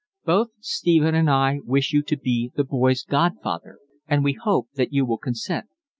Both Stephen and I wish you to be the boy's godfather, and we hope that you will consent.